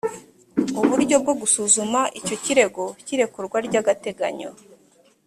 uburyo bwo busuzuma icyo kirego cy irekurwa ry agateganyo